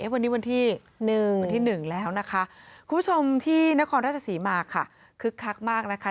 วันนี้วันที่๑วันที่๑แล้วนะคะคุณผู้ชมที่นครราชศรีมาค่ะคึกคักมากนะคะ